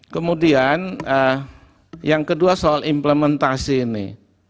kemudian yang kedua soal implementasi ini